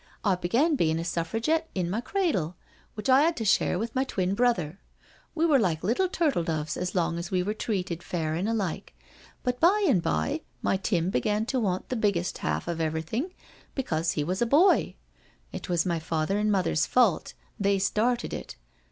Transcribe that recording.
I began bein' a Suffragette in my cradle, which I *ad to share with my twin brother. We were like little turtle doves as long as we were treated fair an' alike; but by an' by Tim began to want the biggest half of everything 'cause he was a boy — it was my father and mother's fault, they started it.